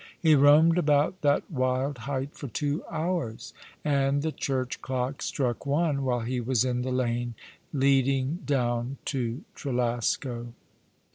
He roamed about that wild height for two hours, and the church clock struck one while he was in the lane leading down to Trelasco.